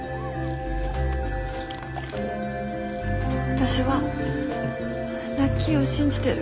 私はラッキーを信じてる。